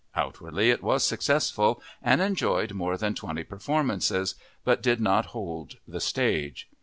Outwardly it was successful and enjoyed more than twenty performances but did not hold the stage.